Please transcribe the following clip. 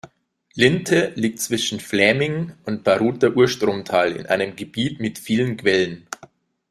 Linthe liegt zwischen Fläming und Baruther Urstromtal in einem Gebiet mit vielen Quellen.